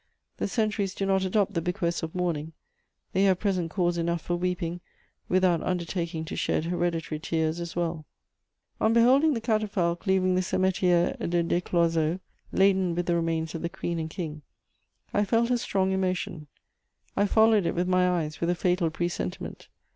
The centuries do not adopt the bequests of mourning: they have present cause enough for weeping, without undertaking to shed hereditary tears as well. [Sidenote: Reflections at Saint Denis.] On beholding the catafalque leaving the Cemetière de Desclozeaux[230b], laden with the remains of the Queen and King, I felt a strong emotion; I followed it with my eyes with a fatal presentiment.